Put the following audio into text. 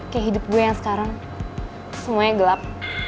kayak hidup gue yang sekarang semuanya gelap